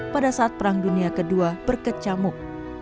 pada saat perang dunia ii berkecamuk